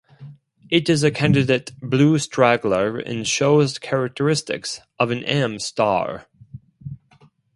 It is a candidate blue straggler and shows characteristics of an Am star.